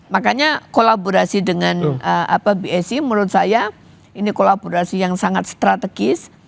makanya kolaborasi dengan bsi menurut saya ini kolaborasi yang sangat strategis